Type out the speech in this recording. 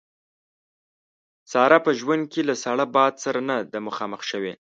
ساره په ژوند کې له ساړه باد سره نه ده مخامخ شوې.